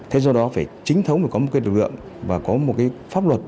thế do đó phải chính thống để có một quy định lực lượng và có một pháp luật